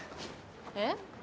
えっ？